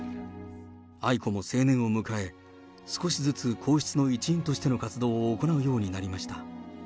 愛子も成年を迎え、少しずつ皇室の一員としての活動を行うようになりました。